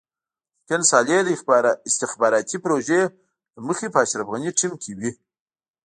ممکن صالح د استخباراتي پروژې له مخې په اشرف غني ټيم کې وي.